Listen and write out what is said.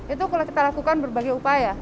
itu kalau kita lakukan berbagai upaya